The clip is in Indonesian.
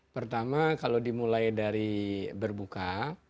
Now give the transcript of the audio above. pertama kalau dimulai dari berbuka